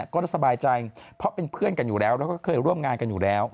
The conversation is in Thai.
ก็จะสบายใจเพราะเป็นเพื่อนกันอยู่แล้วแล้วก็เคยร่วมงานกันอยู่แล้ว